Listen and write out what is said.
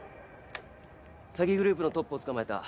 詐欺グループのトップを捕まえた。